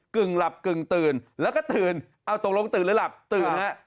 ึ่งหลับกึ่งตื่นแล้วก็ตื่นเอาตกลงตื่นหรือหลับตื่นฮะ